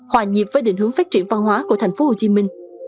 hòa nhập với định hướng phát triển văn hóa của thành phố hồ chí minh